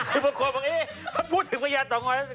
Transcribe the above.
คือพวกโคมบอกเอ๊ะถ้าพูดถึงพญาต่อง้อย